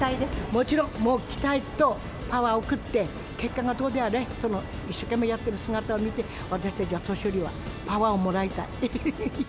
もちろん、もう期待とパワーを送って、結果がどうであれ、その一生懸命やっている姿を見て、私たち年寄りはパワーをもらいたい。